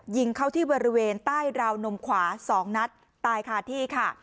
ยิงเข้าที่บริเวณใต้ราวนมขวา๒นัดตายคาที่ค่ะ